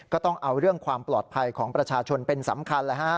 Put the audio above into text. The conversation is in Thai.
ก็ต้องเอาเรื่องความปลอดภัยของประชาชนเป็นสำคัญ